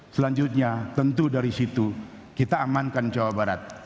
selanjutnya tentu dari situ kita amankan jawa barat